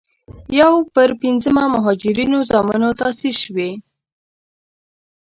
یو پر پينځمه مهاجرینو زامنو تاسیس شوې.